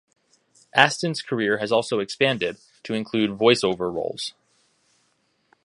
Astin's career has also expanded to include voice-over roles.